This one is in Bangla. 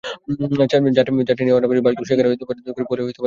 যাত্রী নেওয়ার নামে বাসগুলো যেখানে-সেখানে থামায়, ফলে পেছনে যানজট লেগে যায়।